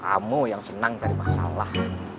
kamu yang senang cari masalah